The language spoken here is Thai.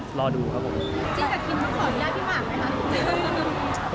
จริงกับคิมเขาขออนุญาตพี่หมากไหมครับ